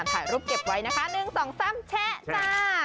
ถ่ายรูปเก็บไว้นะคะ๑๒๓แชะจ้า